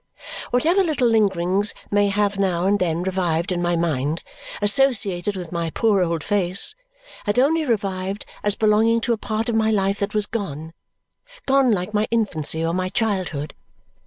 Whatever little lingerings may have now and then revived in my mind associated with my poor old face had only revived as belonging to a part of my life that was gone gone like my infancy or my childhood.